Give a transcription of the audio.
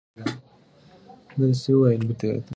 متني نقد خاص اصول او پړاوونه لري.